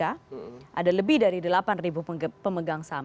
ada lebih dari delapan pemegang saham